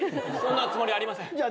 そんなつもりありません。